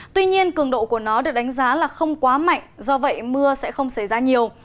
tuy nhiên cường độ của nó được đánh giá là không quá mạnh do vậy mưa sẽ không xảy ra nhiều